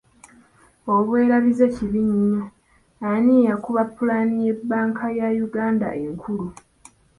Obwerabize kibi nnyo, ani eyakuba pulaani ye bbanka ya Uganda enkulu?